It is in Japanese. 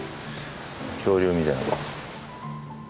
恐竜みたい。